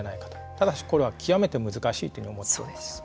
ただし、これは極めて難しいと思っております。